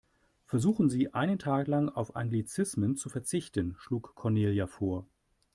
Versuchen Sie, einen Tag lang auf Anglizismen zu verzichten, schlug Cornelia vor.